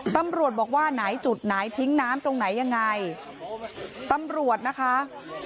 ตำรวจบอกว่าไหนจุดไหนทิ้งน้ำตรงไหนยังไงตำรวจนะคะ